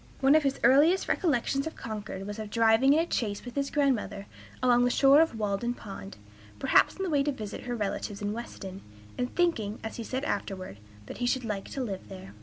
One of his earliest recollections of Concord was of driving in a chaise with his grandmother along the shore of Walden Pond, perhaps on the way to visit her relatives in Weston, and thinking, as he said afterward, that he should like to live there.